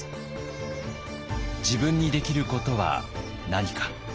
自分にできることは何か。